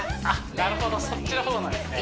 なるほどそっちの方なんですね